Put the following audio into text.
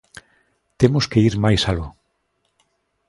Temos que ir máis aló.